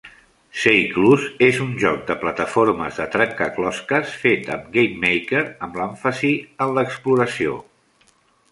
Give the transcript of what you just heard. "Seiklus" és un joc de plataformes de trencaclosques fet amb GameMaker amb èmfasi en l'exploració.